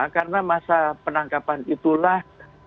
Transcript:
karena masa penangkapan itulah